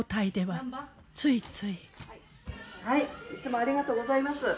はいいつもありがとうございます。